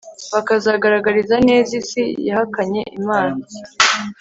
bakazagaragariza neza isi yahakanye Imana